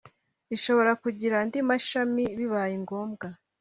Ishobora kugira andi mashami bibaye ngombwa